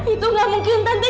itu gak mungkin tante